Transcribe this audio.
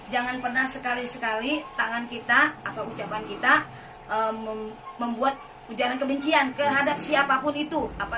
jangan pernah sekali sekali tangan kita atau ucapan kita membuat ujaran kebencian terhadap siapapun itu